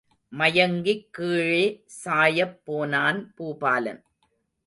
மயங்கிக் கீழே சாயப் போனான் பூபாலன்.